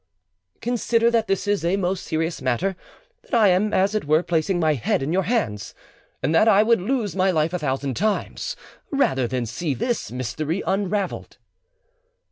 "Consider that this is a most serious matter, that I am as it were placing my head in your hands, and that I would lose my life a thousand times rather than see this mystery unravelled."